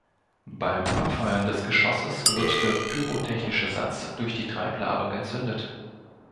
Beim Abfeuern des Geschosses wird der pyrotechnische Satz durch die Treibladung entzündet.